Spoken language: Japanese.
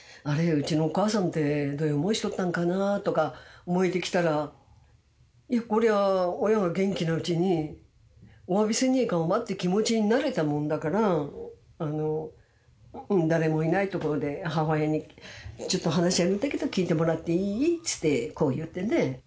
うちのお母さんってどういう思いしとったんかなとか思えてきたらこりゃあ親が元気なうちにおわびせにゃいかんわって気持ちになれたもんだから誰もいないところで母親に「ちょっと話あるんだけど聞いてもらっていい？」ってこう言ってね。